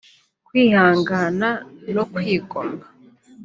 kwihangana no kwigomwa